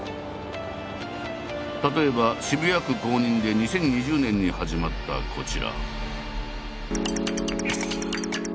例えば渋谷区公認で２０２０年に始まったこちら。